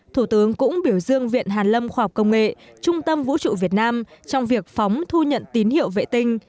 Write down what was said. thủ tướng cũng biểu dương viện hàn lâm khoa học công nghệ trung tâm vũ trụ việt nam trong việc phóng thu nhận tín hiệu vệ tinh